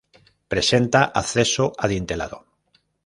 Presenta acceso adintelado.